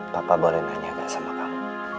bapak boleh nanya gak sama kamu